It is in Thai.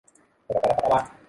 ปากไม่ดี